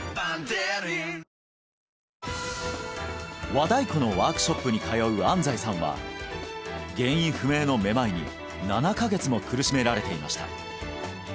和太鼓のワークショップに通う安齋さんは原因不明のめまいに７カ月も苦しめられていました